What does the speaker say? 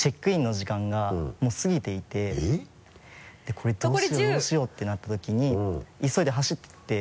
これどうしようどうしようってなったときに急いで走って行って。